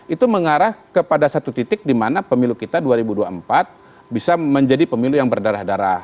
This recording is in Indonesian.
itu mengarah kepada satu titik di mana pemilu kita dua ribu dua puluh empat bisa menjadi pemilu yang berdarah darah